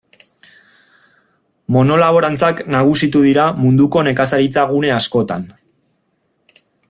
Monolaborantzak nagusitu dira munduko nekazaritza gune askotan.